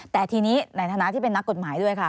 แต่ทีนี้ในฐานะที่เป็นนักกฎหมายด้วยค่ะ